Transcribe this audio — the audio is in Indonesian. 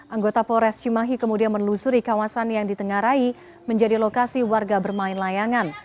anggota polres cimahi kemudian menelusuri kawasan yang ditengarai menjadi lokasi warga bermain layangan